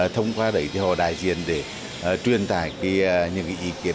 thông qua đấy thì họ đại diện để truyền tải những ý kiến